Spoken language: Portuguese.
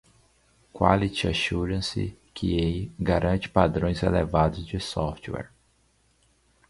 Quality Assurance (QA) garante padrões elevados de software.